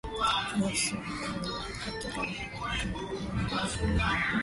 wa sifa za aina katika eneo la Kale la Armenia